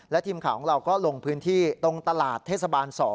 และทีมข่าวของเราก็ลงพื้นที่ตรงตลาดเทศบาล๒